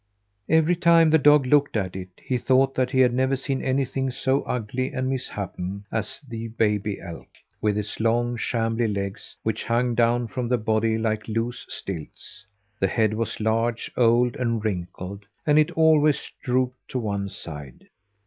Every time the dog looked at it he thought that he had never seen anything so ugly and misshapen as the baby elk, with its long, shambly legs, which hung down from the body like loose stilts. The head was large, old, and wrinkled, and it always drooped to one side.